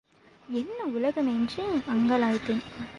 என்ன உலகம் என்று அங்கலாய்த்தேன்.